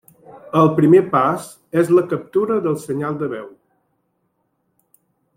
El primer pas és la captura del senyal de veu.